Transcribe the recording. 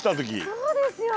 そうですよ！